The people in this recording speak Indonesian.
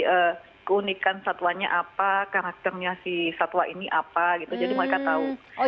mereka bisa menjelaskan satuannya apa karakternya si satwa ini apa gitu jadi mereka tahu